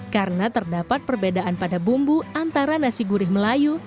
karena terdapat perbedaan pada bumbu antara nasi gurih melayu